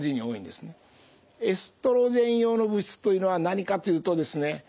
エストロゲン様の物質というのは何かというとですね